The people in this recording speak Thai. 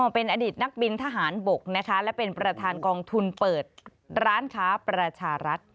เป็นอดีตนักบินทหารบกนะคะและเป็นประธานกองทุนเปิดร้านค้าประชารัฐ